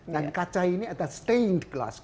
dan kaca ini ada stained glass